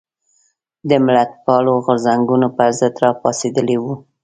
د ملتپالو غورځنګونو پر ضد راپاڅېدلي وو.